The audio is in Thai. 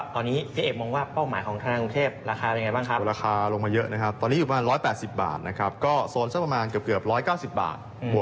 ตอนนี้พี่เอกมองว่าเป้าหมายของธนาคารกรุงเทศราคาเป็นยังไงบ้างครับ